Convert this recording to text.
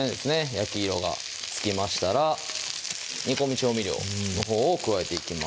焼き色がつきましたら煮込み調味料のほうを加えていきます